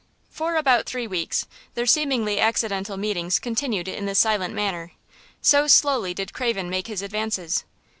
For about three weeks their seemingly accidental meetings continued in this silent manner, so slowly did Craven make his advances.